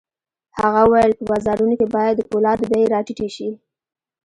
هغه وویل په بازارونو کې باید د پولادو بيې را ټیټې شي